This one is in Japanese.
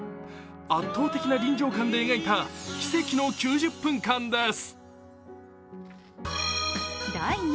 圧倒的な臨場感で描いた奇跡の９０分間です。